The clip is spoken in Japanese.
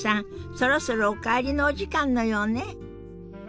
そろそろお帰りのお時間のようね。